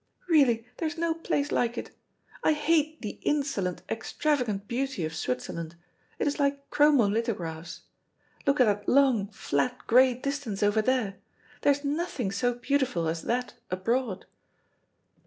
Really, there is no place like it. I hate the insolent extravagant beauty of Switzerland it is like chromo lithographs. Look at that long, flat, grey distance over there. There is nothing so beautiful as that abroad."